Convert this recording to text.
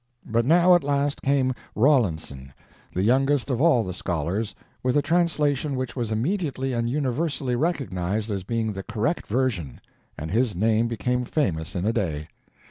But now, at last, came Rawlinson, the youngest of all the scholars, with a translation which was immediately and universally recognized as being the correct version, and his name became famous in a day.